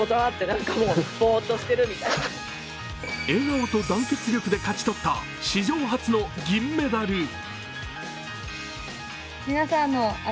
笑顔と団結力で勝ち取った史上初の銀メダル。